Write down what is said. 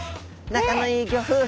仲のいいギョ夫婦。